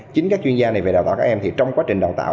chính các chuyên gia này về đào tạo các em thì trong quá trình đào tạo